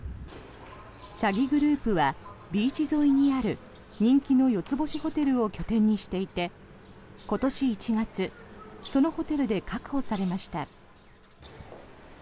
詐欺グループはビーチ沿いにある人気の４つ星ホテルを拠点にしていて今年１月そのホテルで確保されました。